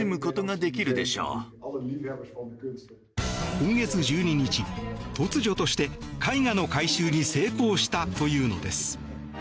今月１２日、突如として絵画の回収に成功したというのです。